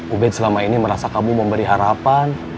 ubed selama ini merasa kamu mau beri harapan